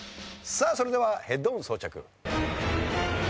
さあそれではヘッドホン装着。